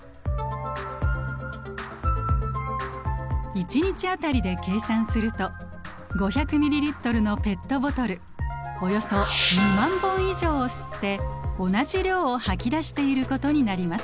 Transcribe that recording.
１日あたりで計算するとおよそ２万本以上を吸って同じ量を吐き出していることになります。